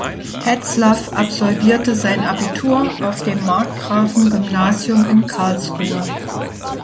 Tetzlaff absolvierte sein Abitur auf dem Markgrafen-Gymnasium in Karlsruhe.